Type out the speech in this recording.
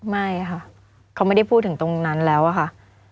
ไม่ค่ะเขาไม่ได้พูดถึงตรงนั้นแล้วอะค่ะ